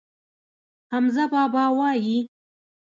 حمزه بابا وايي.